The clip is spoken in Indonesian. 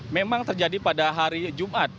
memang terjadi pada hari jumat